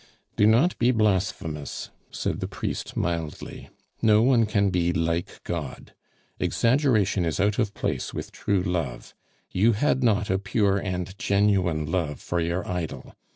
"Do not be blasphemous," said the priest mildly. "No one can be like God. Exaggeration is out of place with true love; you had not a pure and genuine love for your idol.